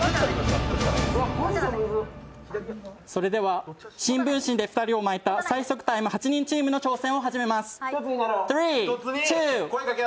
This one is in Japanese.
それでは新聞紙で２人を巻いた最速タイム８人チームの挑戦を始めます。